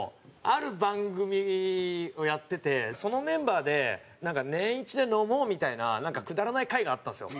ある番組をやっててそのメンバーでなんか年１で飲もうみたいななんかくだらない会があったんですよ。